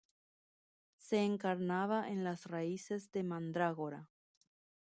Se encarnaba en las raíces de mandrágora.